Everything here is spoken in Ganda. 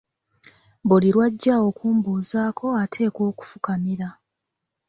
Buli lw'ajja okumbuuzaako ateekwa okufukamira.